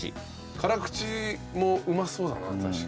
辛口もうまそうだな確かに。